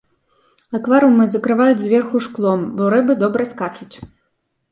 Акварыумы закрываюць зверху шклом, бо рыбы добра скачуць.